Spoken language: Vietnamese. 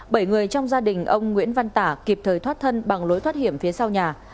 bảy người trong gia đình ông nguyễn văn tả kịp thời thoát thân bằng lối thoát hiểm phía sau nhà